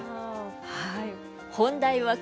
はい。